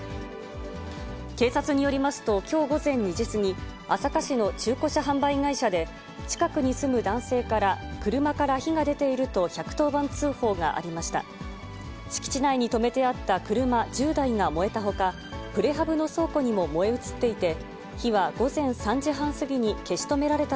警察によりますと、きょう午前２時過ぎ、朝霞市の中古車販売会社で近くに住む男性から、車から火が出ていると１１０番通報がありました。